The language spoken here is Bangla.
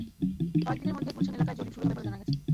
কয়েক দিনের মধ্যে গুলশান এলাকায় জরিপ শুরু হবে বলে জানা গেছে।